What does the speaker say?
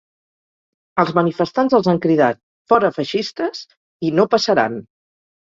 Els manifestants els han cridat ‘Fora feixistes’ i ‘No passaran’.